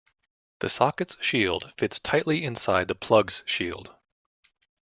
The socket's shield fits tightly inside the plug's shield.